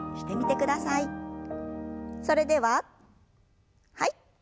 それでははい。